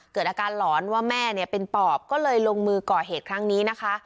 เกิดอาการหลอนว่าแม่เนี่ยเป็นปอบก็เลยลงมือก่อเหตุครั้งนี้นะคะ